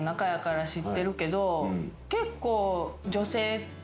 結構。